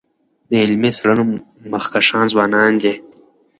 د علمي څېړنو مخکښان ځوانان دي.